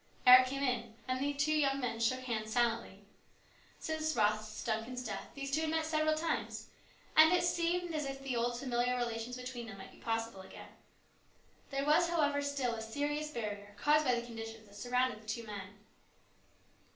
Eric came in, and the two young men shook hands silently. Since Ross Duncan's death these two had met several times, and it seemed as if the old familiar relations between them might be possible again. There was, however, still a serious barrier caused by the conditions that surrounded the two men.